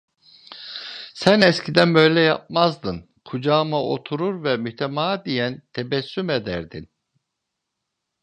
Sen eskiden böyle yapmazdın, kucağıma oturur ve mütemadiyen tebessüm ederdin…